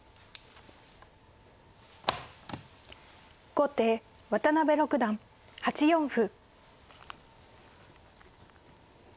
後手渡辺六段８四歩。